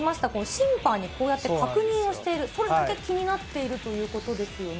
審判にこうやって確認をしている、それだけ気になっているということですよね。